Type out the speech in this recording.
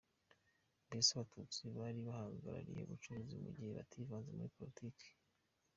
Mbese abatutsi bari barahariwe ubucuruzi mu gihe bativanze muri Politiki.